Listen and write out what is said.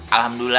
kalau gitu ayo